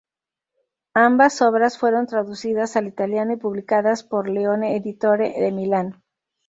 Ambas obras fueron traducidas al italiano y publicadas por Leone Editore, de Milán.